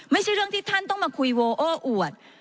ไม่ใช่เรื่องที่ท่านต้องมาคุยโวโอ้อวด